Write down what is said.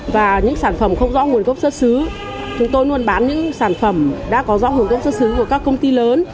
và những sản phẩm không rõ nguồn gốc xuất xứ chúng tôi luôn bán những sản phẩm đã có rõ hướng dẫn xuất xứ của các công ty lớn